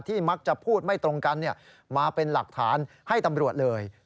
มักจะพูดไม่ตรงกันมาเป็นหลักฐานให้ตำรวจเลย